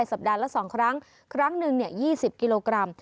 สัปดาห์ละ๒ครั้งครั้งหนึ่ง๒๐กิโลกรัม